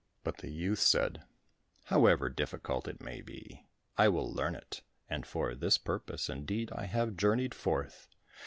But the youth said, "However difficult it may be, I will learn it and for this purpose indeed have I journeyed forth."